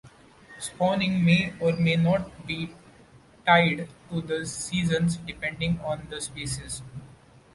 Spawning may or may not be tied to the seasons, depending on the species.